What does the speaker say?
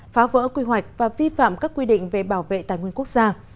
phá vỡ quy hoạch và vi phạm các quy định về bảo vệ tài nguyên quốc gia